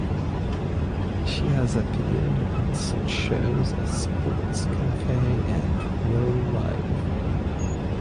She has appeared on such shows as "SportsCafe" and "Rove Live".